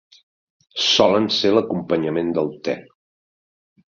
Solen ser l'acompanyament del te.